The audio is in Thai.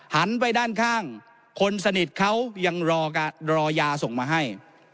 หันไปด้านข้างคนสนิทเขายังรอยาส่งมาให้